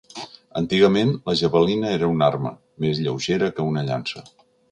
Antigament, la javelina era una arma, més lleugera que una llança.